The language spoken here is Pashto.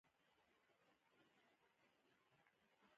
نن بازار ته ځم.